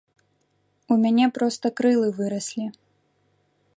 У мяне проста крылы выраслі.